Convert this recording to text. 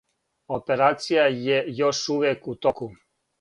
Операција је још увијек у току.